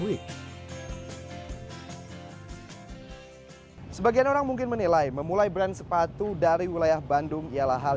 week sebagian orang mungkin menilai memulai brand sepatu dari wilayah bandung ialah hal